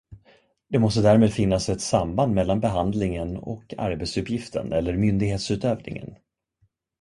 Det måste därmed finnas ett samband mellan behandlingen och arbetsuppgiften eller myndighetsutövningen.